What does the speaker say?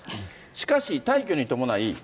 しかし退去に伴い。